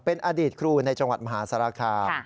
เป็นอดีตครูในจังหวัดมหาสารคาม